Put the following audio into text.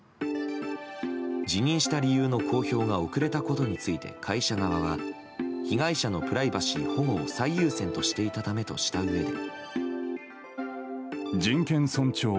辞任した理由の公表が遅れたことについて会社側は被害者のプライバシー保護を最優先としていたためとしたうえで。